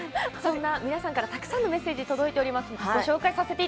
皆さんからたくさんのメッセージ届いています。。